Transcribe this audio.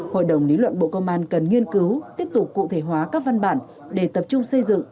hội đồng lý luận bộ công an cần nghiên cứu tiếp tục cụ thể hóa các văn bản để tập trung xây dựng